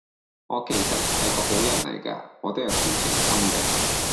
我其實係個好人嚟架，我都有同情心㗎